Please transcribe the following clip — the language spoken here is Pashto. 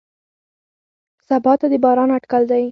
سبا ته د باران اټکل دی.